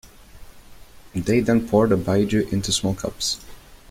They then pour the "baijiu" into small cups.